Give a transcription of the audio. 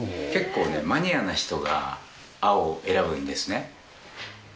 結構ね、マニアな人が青を選ぶんですね。